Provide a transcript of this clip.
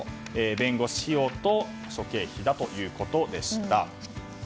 弁護士費用と諸経費だということでした。